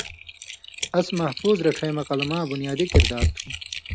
اس محفوظ رڇَھیں مہ قلماں بُنیادی کردار تُھو۔